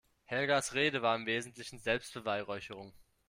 Helgas Rede war im Wesentlichen Selbstbeweihräucherung.